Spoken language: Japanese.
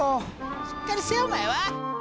しっかりせえお前は！